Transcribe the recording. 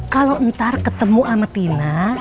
kalau ntar ketemu sama tina